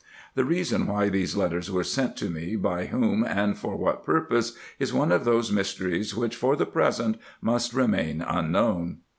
The reason why these letters were sent to me, by whom, and for what purpose, is one of those mysteries which, for the present, must remain unknown.